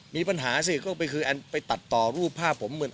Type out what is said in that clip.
มีปัญหาสิก็คือไปตัดต่อรูปภาพผมเหมือน